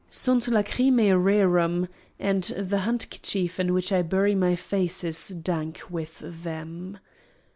Sunt lacrymæ rerum, and the handkerchief in which I bury my face is dank with them.